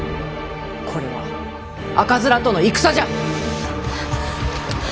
これは赤面との戦じゃ。